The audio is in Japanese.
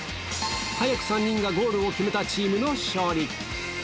早く３人がゴールを決めたチームの勝利。